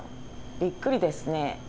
びっくりですね。